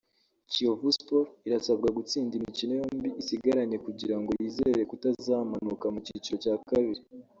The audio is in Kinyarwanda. Kiyovu Sports irasabwa gutsinda imikino yombi isigaranye kugira ngo yizere kutazamanuka mu cyiciro cya kabiri